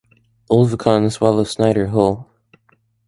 Olvikan swallows Snyder whole.